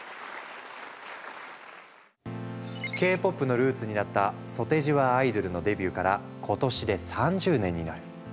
Ｋ−ＰＯＰのルーツになったソテジワアイドゥルのデビューから今年で３０年になる。